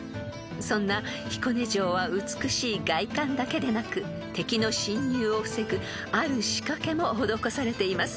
［そんな彦根城は美しい外観だけでなく敵の侵入を防ぐある仕掛けも施されています］